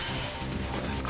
そうですか。